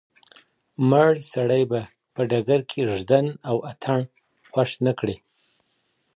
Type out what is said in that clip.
مړ سړی به په ډګر کي ږدن او اتڼ خوښ نه کړي.